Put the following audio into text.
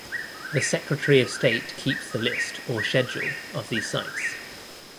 The Secretary of State keeps the list, or schedule, of these sites.